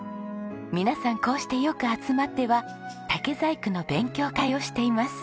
皆さんこうしてよく集まっては竹細工の勉強会をしています。